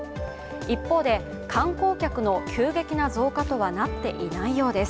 一方で、観光客の急激な増加とはなっていないようです。